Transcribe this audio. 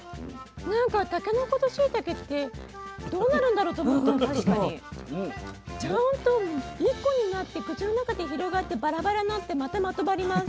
なんかタケノコとしいたけってどうなるんだろうと思ったんだけどちゃんと１個になって口の中で広がってバラバラになってまたまとまります。